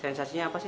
sensasinya apa sih